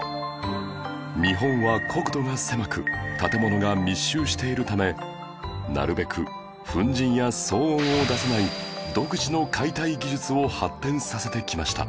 日本は国土が狭く建物が密集しているためなるべく粉塵や騒音を出さない独自の解体技術を発展させてきました